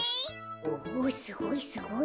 おすごいすごい。